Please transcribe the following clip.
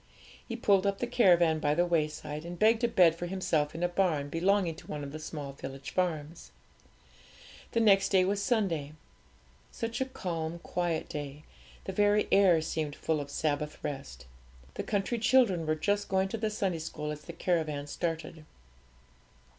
He pulled up the caravan by the wayside, and begged a bed for himself in a barn belonging to one of the small village farms. The next day was Sunday. Such a calm, quiet day, the very air seemed full of Sabbath rest. The country children were just going to the Sunday school as the caravan started.